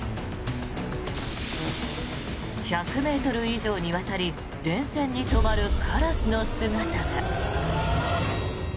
１００ｍ以上にわたり電線に止まるカラスの姿が。